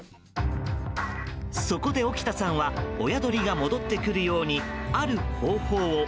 そこで沖田さんは親鳥が戻ってくるようにある方法を。